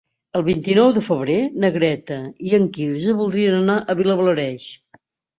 El vint-i-nou de febrer na Greta i en Quirze voldrien anar a Vilablareix.